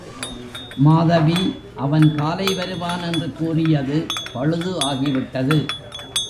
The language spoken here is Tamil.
மாதவி அவன் காலை வருவான் என்று கூறியது பழுது ஆகிவிட்டது.